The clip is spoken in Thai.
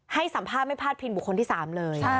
ให้สัมพันธ์ไม่พลาดพินบุคคลที่สามเลย